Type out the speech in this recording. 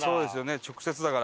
直接だから。